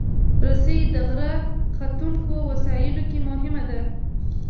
رسۍ د غر ختونکو وسایلو کې مهمه ده.